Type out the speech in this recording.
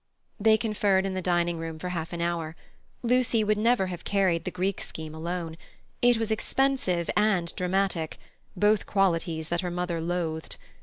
They conferred in the dining room for half an hour. Lucy would never have carried the Greek scheme alone. It was expensive and dramatic—both qualities that her mother loathed.